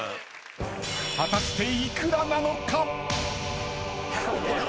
［果たして幾らなのか？］